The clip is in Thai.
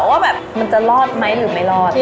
ว่าแบบมันจะรอดไหมหรือไม่รอด